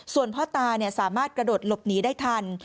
ส่วนพ่อตาสามารถกระโดดหลบหนีได้ทัน